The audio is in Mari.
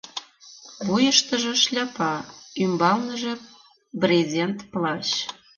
Вуйыштыжо шляпа, ӱмбалныже брезент плащ.